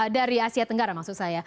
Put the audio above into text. dari asia tenggara maksud saya